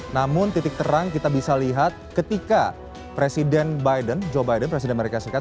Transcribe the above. namun titik terang kita bisa lihat ketika presiden biden joe biden presiden amerika serikat